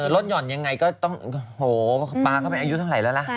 รถหย่อนยังไงก็ต้องโหบปลาก็เป็นอายุเท่าไหร่แล้วถ้า